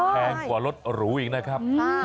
แพงกว่ารถหรูอีกนะครับ